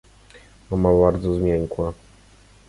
"Mama bardzo zmiękła."